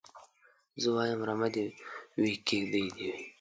زه وايم رمه دي وي کيږدۍ دي وي